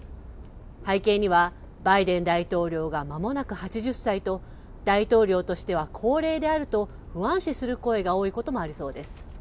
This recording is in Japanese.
背景には、バイデン大統領がまもなく８０歳と大統領としては高齢であると不安視する声が多いこともありそうです。